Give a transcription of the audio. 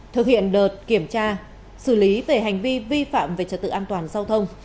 thực hiện đợt kiểm tra xử lý về hành vi vi phạm về trật tự an toàn giao thông